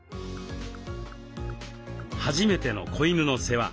初めての子犬の世話。